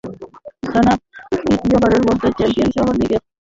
টানা তৃতীয়বারের মতো চ্যাম্পিয়নস লিগের কোয়ার্টার ফাইনাল থেকে ছিটকে গেছে বার্সা।